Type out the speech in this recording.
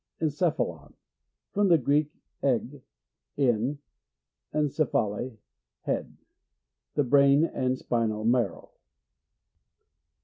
Enckphalon. — From the Greek, eg, in, and kephale, head. The brain and spinal marrow.